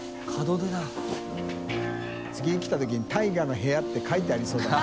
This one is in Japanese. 臀个澄来たときに「大雅の部屋」って書いてありそうだな。